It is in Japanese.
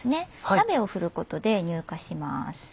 鍋を振ることで乳化します。